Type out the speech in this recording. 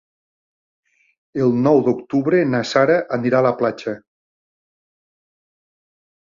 El nou d'octubre na Sara anirà a la platja.